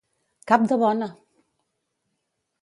Cap de bona!